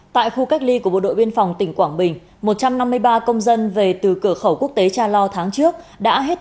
tại khu cách ly của bộ đội biên phòng tỉnh quảng bình một trăm năm mươi ba công dân về từ cửa khẩu quốc tế cha lo tháng trước đã hết thời gian cách ly tập trung